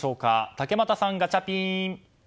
竹俣さん、ガチャピン！